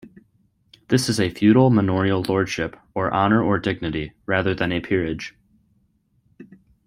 This is a Feudal Manorial Lordship, or Honour or Dignity, rather than a Peerage.